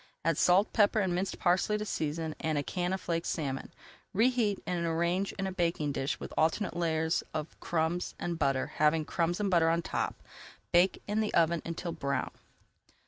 Add salt, pepper and minced parsley to season, and a can of flaked [Page 301] salmon. Reheat and arrange in a baking dish with alternate layers of crumbs and butter, having crumbs and butter on top. Bake in the oven until brown.